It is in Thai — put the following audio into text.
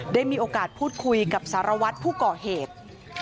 ได้มีโอกาสพูดคุยกับสารวัตรผู้ก่อเหตุ